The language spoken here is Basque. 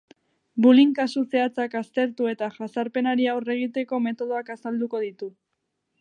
Bulliyng kasu zehatzak aztertu eta jazarpenari aurre egiteko metodoak azalduko ditu.